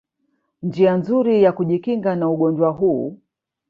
njia nzuri ya kujikinga na ugonjwa huu